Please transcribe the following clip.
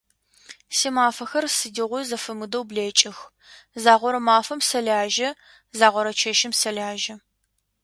Симэфэхэр сыдигъуи зэфэмыдэу блэкӏых, загъорэ мафэм сэлэжьэ, загъорэ чэщым сэлэжьэ.